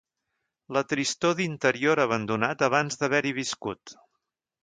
La tristor d'interior abandonat abans d'haver-hi viscut